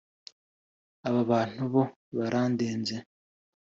aba bantu bo barandenze